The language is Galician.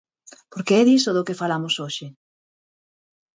Porque é diso do que falamos hoxe.